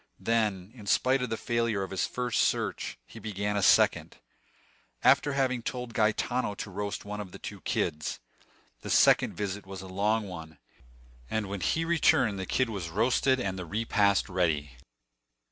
Then, in spite of the failure of his first search, he began a second, after having told Gaetano to roast one of the two kids. The second visit was a long one, and when he returned the kid was roasted and the repast ready.